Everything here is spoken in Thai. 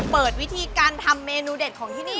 เปิดวิธีการทำเมนูเด็ดของที่นี่